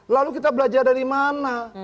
lalu kita belajar dari mana